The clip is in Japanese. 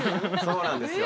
そうなんですよ。